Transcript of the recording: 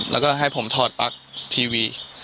แล้วก็ให้ผมถอดปลั๊กทีวี